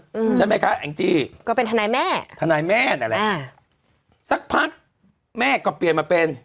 อืมใช่ไหมคะแองจี้ก็เป็นทนายแม่ทนายแม่นั่นแหละอ่าสักพักแม่ก็เปลี่ยนมาเป็น